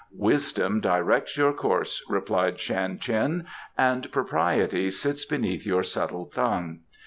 "Wisdom directs your course," replied Shan Tien, "and propriety sits beneath your supple tongue.